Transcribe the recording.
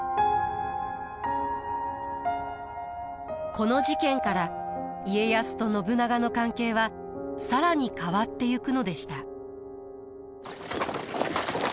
この事件から家康と信長の関係は更に変わってゆくのでした。